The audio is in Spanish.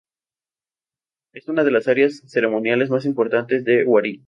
Es una de las áreas ceremoniales más importantes de Wari.